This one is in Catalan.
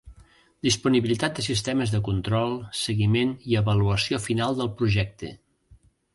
Disponibilitat de sistemes de control, seguiment i avaluació final del projecte.